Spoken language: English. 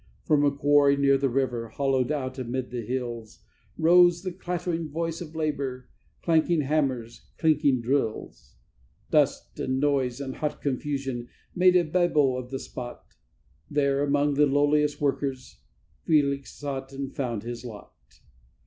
From a quarry near the river, hollowed out amid the hills, Rose the clattering voice of labour, clanking hammers, clinking drills. Dust, and noise, and hot confusion made a Babel of the spot: There, among the lowliest workers, Felix sought and found his lot.